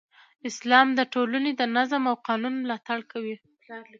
اسلام د ټولنې د نظم او قانون ملاتړ کوي.